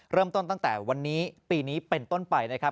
ตั้งแต่วันนี้ปีนี้เป็นต้นไปนะครับ